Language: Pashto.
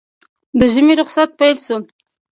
د ژمي روخصت پېل شو